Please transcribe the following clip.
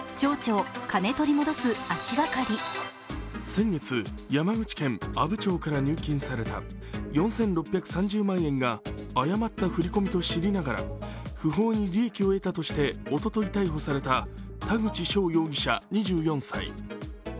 先月、山口県阿武町から入金された４６３０万円が誤った振り込みと知りながら不法に利益を得たとしておととい逮捕された田口翔容疑者２４歳。